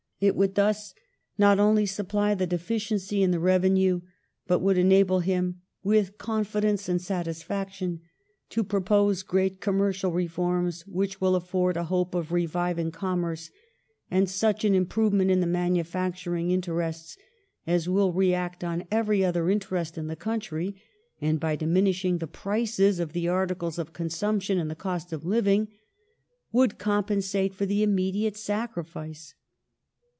It would thus not only supply the deficiency in tlie revenue, but would enable him " with confidence and satisfac tion to propose great commercial reforms which will afford a hope of reviving commerce, and such an improvement in the manufactur ing interests as will react on every other interest in the country ; and by diminishing the prices of the articles of consumption and the cost of living " would compensate for the immediate sacrifice.